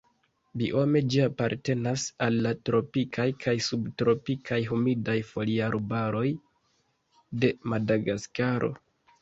Biome ĝi apartenas al la tropikaj kaj subtropikaj humidaj foliarbaroj de Madagaskaro.